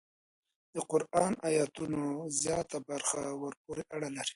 د قران ایتونو زیاته برخه ورپورې اړه لري.